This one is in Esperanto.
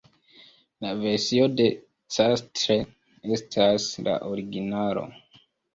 La versio de Castle estas la originalo.